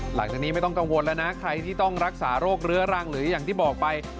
หลังจากนี้ไม่ต้องกังวลแล้วนะใครที่ต้องรักษาโรคเรื้อรังหรืออย่างที่บอกไป